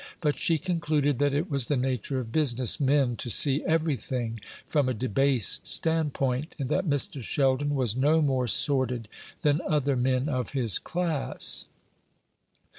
But she concluded that it was the nature of business men to see everything from a debased standpoint, and that Mr. Sheldon was no more sordid than other men of his class.